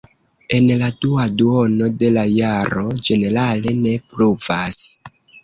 En la dua duono de la jaro ĝenerale ne pluvas.